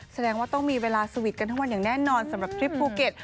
แสดงว่าต้องมีเวลาสวิตช์กันทั้งวันอย่างแน่นอนสำหรับทริปภูเก็ต